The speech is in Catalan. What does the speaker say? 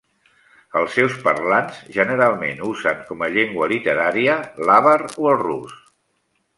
Els seus parlants generalment usen com a llengua literària l'àvar o el rus.